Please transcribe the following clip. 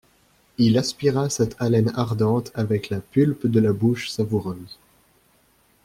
Il aspira cette haleine ardente avec la pulpe de la bouche savoureuse.